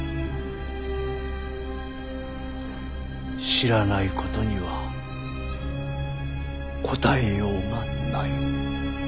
知らないことには答えようがない。